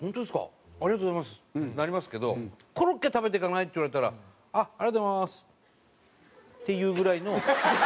「ありがとうございます！」なりますけど「コロッケ食べていかない？」って言われたら「あっありがとうございます」っていうぐらいの。